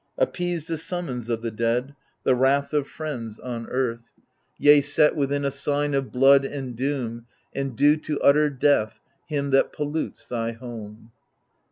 Appease the summons of the dead. The wrath of friends on earth ; 120 THE LIBATION BEARERS Yea, set within a sign of blood and doom, And do to utter death him that pollutes thy home.